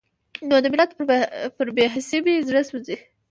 نو د ملت پر بې حسۍ مې زړه سوزي.